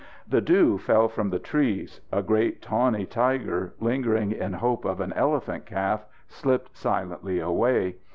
The dew fell from the trees. A great tawny tiger, lingering in hope of an elephant calf, slipped silently away.